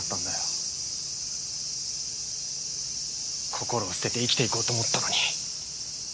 心を捨てて生きていこうと思ったのに。